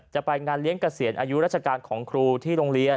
จะไปงานเลี้ยงเกษียณอายุราชการของครูที่โรงเรียน